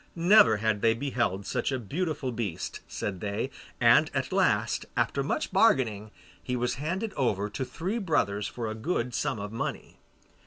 Never had they beheld such a beautiful beast, said they, and at last, after much bargaining, he was handed over to three brothers for a good sum of money.